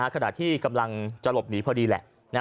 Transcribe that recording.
ขณะที่กำลังจะหลบหนีพอดีแหละ